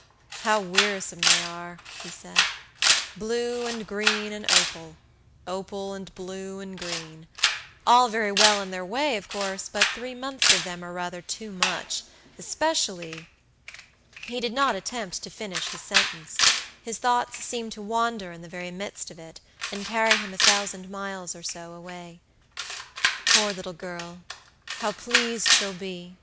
"How wearisome they are," he said; "blue and green, and opal; opal, and blue, and green; all very well in their way, of course, but three months of them are rather too much, especially" He did not attempt to finish his sentence; his thoughts seemed to wander in the very midst of it, and carry him a thousand miles or so away. "Poor little girl, how pleased she'll be!"